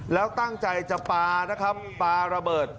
แล้วตั้งใจจะปลานะครับปลาระเบิด